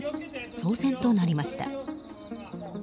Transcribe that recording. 騒然となりました。